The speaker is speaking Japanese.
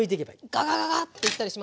あのガガガガっていったりしません？